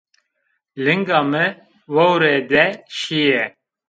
Linga mi vewre de şîye